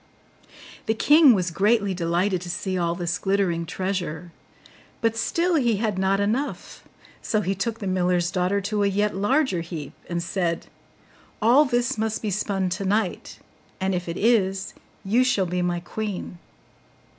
The king was greatly delighted to see all this glittering treasure; but still he had not enough: so he took the miller's daughter to a yet larger heap, and said, 'All this must be spun tonight; and if it is, you shall be my queen.